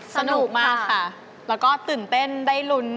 สนุกมากค่ะแล้วก็ตื่นเต้นได้ลุ้น